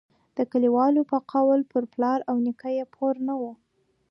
د کلیوالو په قول پر پلار او نیکه یې پور نه وو.